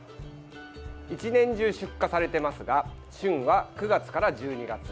１年中出荷されてますが旬は９月から１２月。